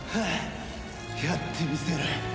やってみせる！